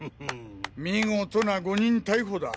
見事な誤認逮捕だ。